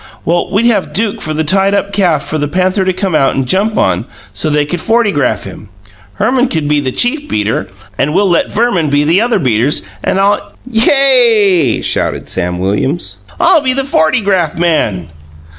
Well, we'd have Duke for the tied up calf for the panther to come out and jump on, so they could fortygraph him. Herman can be the chief beater, and we'll let Verman be the other beaters, and I'll " "Yay!" shouted Sam Williams. "I'll be the fortygraph man!"